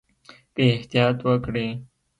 که احتیاط وکړئ